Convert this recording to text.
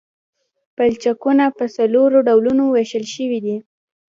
پلچکونه په څلورو ډولونو ویشل شوي دي